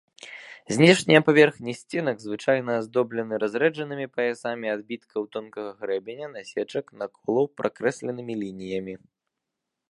Знешнія паверхні сценак звычайна аздоблены разрэджанымі паясамі адбіткаў тонкага грэбеня, насечак, наколаў, пракрэсленымі лініямі.